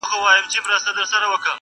په قسمت کي یې تغییر نه وي لیکلی!.